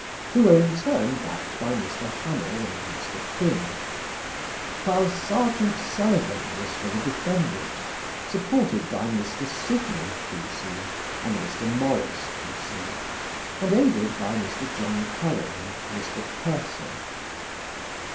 who were in turn backed by Mr. Hamill and Mr. Quinn; while Serjeant Sullivan was for the defendant, supported by Mr. Sidney, Q.C., and Mr. Morris, Q.C., and aided by Mr. John Curran and Mr. Purcell.